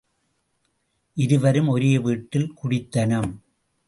இருவரும் ஒரே வீட்டில் குடித்தனம்.